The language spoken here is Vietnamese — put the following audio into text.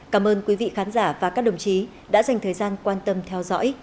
cảm ơn quý vị khán giả và các đồng chí đã dành thời gian quan tâm theo dõi